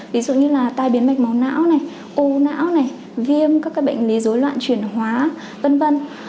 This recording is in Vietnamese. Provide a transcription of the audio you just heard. ví dụ như là tai biến mạch máu não này u não này viêm các bệnh lý dối loạn chuyển hóa v v